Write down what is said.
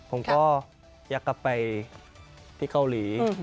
ผมก็อยากกลับไปที่เกาหลี